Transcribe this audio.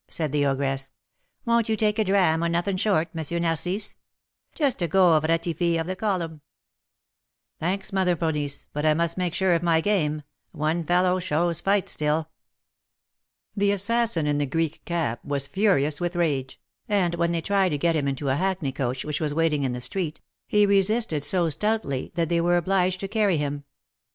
said the ogress. "Won't you take a dram o' nothin' 'short,' M. Narcisse? Just a 'go' of 'Ratifi' of the Column.'" "Thanks, Mother Ponisse, but I must make sure of my game; one fellow shows fight still." The assassin in the Greek cap was furious with rage, and when they tried to get him into a hackney coach which was waiting in the street, he resisted so stoutly that they were obliged to carry him.